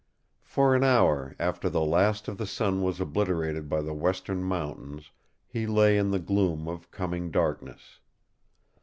For an hour after the last of the sun was obliterated by the western mountains he lay in the gloom of coming darkness.